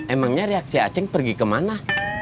emangnya reaksi a ceng pergi kemana